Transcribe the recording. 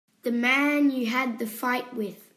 The man you had the fight with.